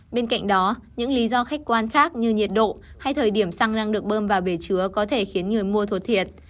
bên cạnh đó những lý do khách quan khác như nhiệt độ hay thời điểm xăng đang được bơm vào bể chứa có thể khiến người mua thuột thiệt